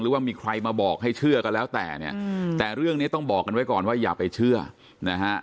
ว่ามีใครมาบอกให้เชื่อก็แล้วแต่เนี่ยแต่เรื่องนี้ต้องบอกกันไว้ก่อนว่าอย่าไปเชื่อนะฮะ